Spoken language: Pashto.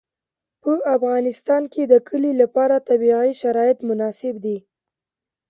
په افغانستان کې د کلي لپاره طبیعي شرایط مناسب دي.